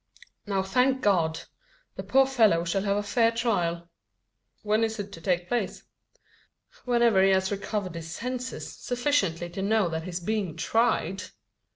Now, thank God! the poor fellow shall have a fair trial." "When is it to take place?" "Whenever he has recovered his senses, sufficiently to know that he's being tried!"